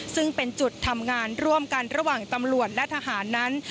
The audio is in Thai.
ซึ่งเป็นจุดทำงานร่วมกันระหว่างตำรวจและทหารนั้น